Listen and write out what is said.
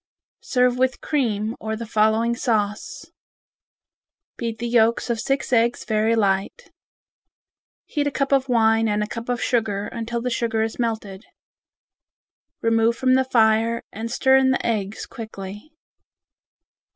Serve with cream, or the following sauce: Beat the yolks of six eggs very light. Heat a cup of wine and a cup of sugar until the sugar is melted. Remove from the fire and stir in the eggs quickly.